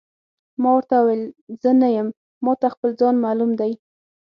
ما ورته وویل: زه نه یم، ما ته خپل ځان معلوم دی.